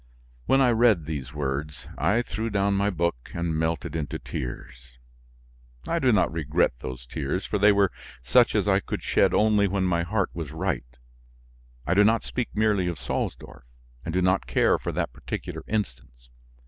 When I read these words, I threw down my book, and melted into tears. I do not regret those tears for they were such as I could shed only when my heart was right; I do not speak merely of Salsdorf, and do not care for that particular instance.